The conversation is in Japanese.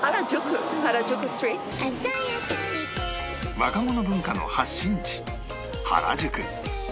若者文化の発信地